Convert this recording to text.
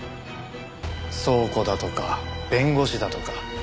倉庫だとか弁護士だとか。